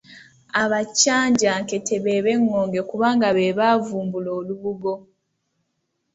Abakyanjankete be b’Eŋŋonge kubanga be baavumbula olubugo.